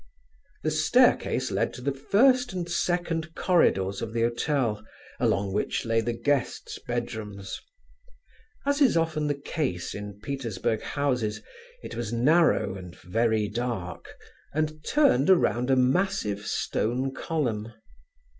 The staircase led to the first and second corridors of the hotel, along which lay the guests' bedrooms. As is often the case in Petersburg houses, it was narrow and very dark, and turned around a massive stone column.